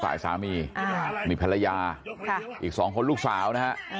สายสามีมีภรรยาอีก๒คนลูกสาวนะครับ